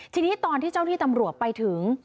ทีนี้ตอนที่เจ้าที่ตำรวจไปถึง